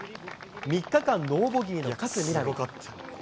３日間ノーボギーの勝みなみ。